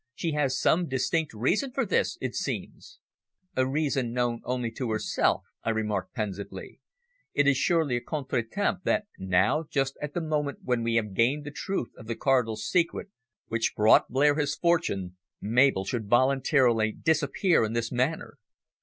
"She has some distinct reason for this, it seems." "A reason known only to herself," I remarked pensively. "It is surely a contretemps that now, just at the moment when we have gained the truth of the Cardinal's secret which brought Blair his fortune, Mabel should voluntarily disappear in this manner.